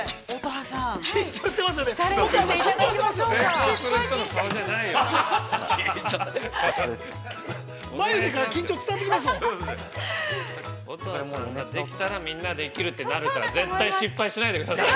◆乙葉さんね、できたら、みんなできるって、なるから、絶対失敗しないでください。